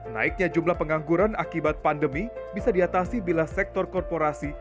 naiknya jumlah pengangguran akibat pandemi bisa diatasi bila sektor korporasi